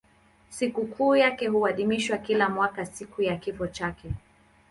Sikukuu yake huadhimishwa kila mwaka siku ya kifo chake.